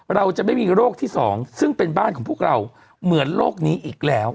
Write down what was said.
เราจะไม่มีโรคที่๒ซึ่งเป็นบ้านของพวกเราเหมือนโรคนี้อีกแล้ว